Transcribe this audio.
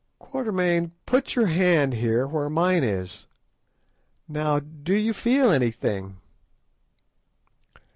"Quatermain, put your hand here where mine is. Now, do you feel anything?"